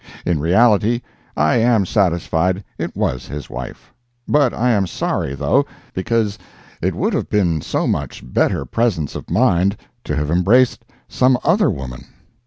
In reality I am satisfied it was his wife—but I am sorry, though, because it would have been so much better presence of mind to have embraced some other woman.